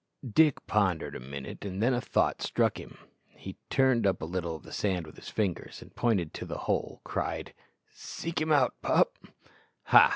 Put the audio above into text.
Dick pondered a minute then a thought struck him. He turned up a little of the sand with his fingers, and, pointing to the hole, cried, "Seek him out, pup!" Ha!